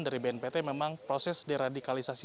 dari bnpt memang proses deradikalisasi